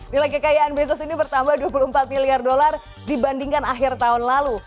nilai kekayaan bisnis ini bertambah dua puluh empat miliar dolar dibandingkan akhir tahun lalu